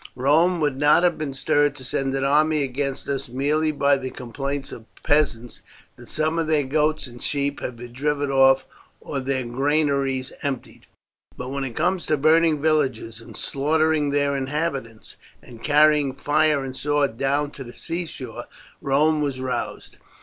Rome would not have been stirred to send an army against us merely by the complaints of peasants that some of their goats and sheep had been driven off or their granaries emptied; but when it comes to burning villages and slaughtering their inhabitants, and carrying fire and sword down to the seashore, Rome was roused.